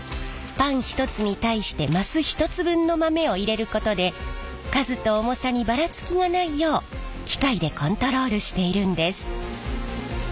パン１つに対して升１つ分の豆を入れることで数と重さにばらつきがないよう機械でコントロールしているんです。